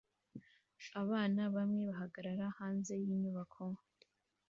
Abana bamwe bahagarara hanze yinyubako